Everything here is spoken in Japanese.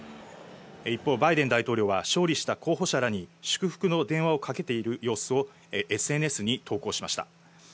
一方、バイデン大統領は勝利した候補者らに祝福の電話をかけている様子をＳＮＳに投稿しました。